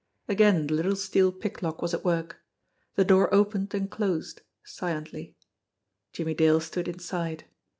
Again the little steel pick lock was at work. The door opened and closed silently. Jimmie Dale stood inside.